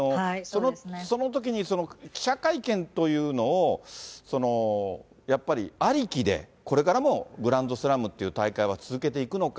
そのときに記者会見というのを、やっぱりありきで、これからもグランドスラムっていう大会は続けていくのか。